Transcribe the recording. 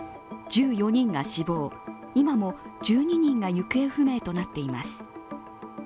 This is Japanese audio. １４人が死亡、今も１２人が行方不明となっています。